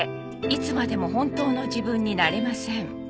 「いつまでも本当の自分になれません」